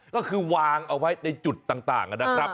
ก็คือวางเอาไว้ในจุดต่างนะครับ